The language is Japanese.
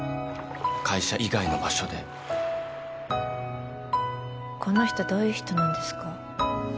会社以外の場所でこの人どういう人なんですか？